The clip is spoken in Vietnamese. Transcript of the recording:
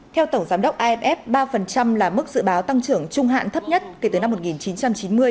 theo tổng giám đốc imf ba là mức dự báo tăng trưởng trung hạn thấp nhất kể từ năm một nghìn chín trăm chín mươi